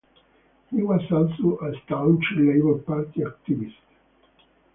He was also a staunch Labour Party activist.